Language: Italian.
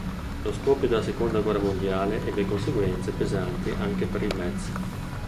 Lo scoppio della Seconda guerra Mondiale ebbe conseguenze pesanti anche per il Metz.